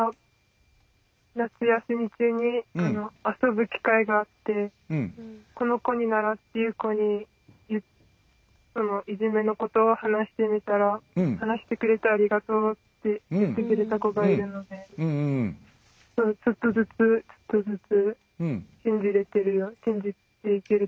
夏休み中に遊ぶ機会があってこの子にならっていう子にいじめのことを話してみたら話してくれてありがとうって言ってくれた子がいるのでちょっとずつちょっとずつ信じていけるようになってます。